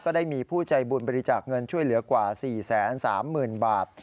ได้มีผู้ใจบุญบริจาคเงินช่วยเหลือกว่า๔๓๐๐๐บาท